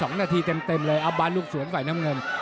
๒นาทีเต็มเลยอัปบ้านลูกสวนใส่น้ำเงิน